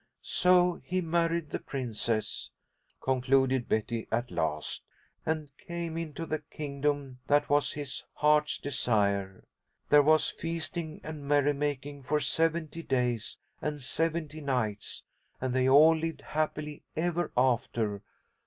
"So he married the princess," concluded Betty at last, "and came into the kingdom that was his heart's desire. There was feasting and merrymaking for seventy days and seventy nights, and they all lived happily ever after.